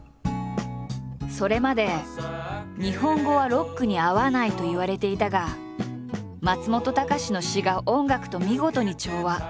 それまで日本語はロックに合わないといわれていたが松本隆の詞が音楽と見事に調和。